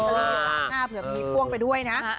เผื่อมีฟ่วงไปด้วยนะ